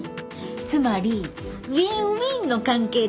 つまりウィンウィンの関係ってやつ？